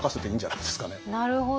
なるほど。